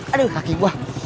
aduh kaki gua